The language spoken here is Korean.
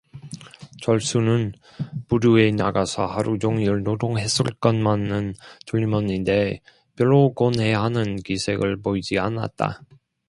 철수는 부두에 나가서 하루 종일 노동했을 것만은 틀림없는데 별로 곤해하는 기색을 보이지 않았다.